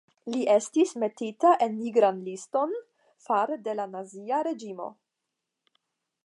Li estis metita en Nigran liston fare de la Nazia reĝimo.